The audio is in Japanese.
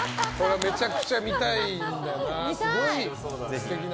めちゃくちゃ見たいんだよな。